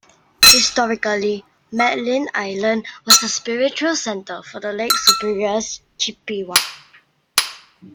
Historically, Madeline Island was a spiritual center for the Lake Superior Chippewa.